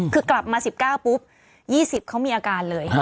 คือกลับมา๑๙ปุ๊บ๒๐เขามีอาการเลย